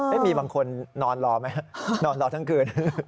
มีบางคนนอนรอไหมนอนรอทั้งคืน